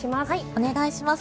お願いします。